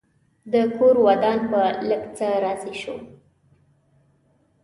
ده کور ودان په لږ څه راضي شو.